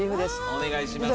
お願いします。